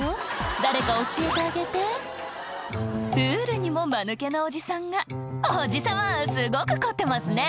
誰か教えてあげてプールにもマヌケなおじさんが「おじ様すごく凝ってますね！」